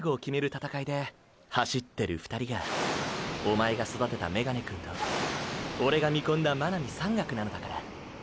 闘いで走ってる２人がおまえが育てたメガネくんとオレが見込んだ真波山岳なのだから。